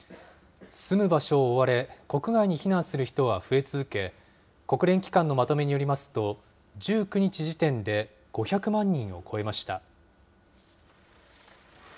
住む場所を追われ、国外に避難する人は増え続け、国連機関のまとめによりますと、１９日時点で５００万人を超えました。